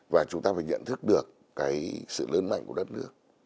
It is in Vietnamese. và chúng ta phải nhận thức được cái sự lớn mạnh của đất nước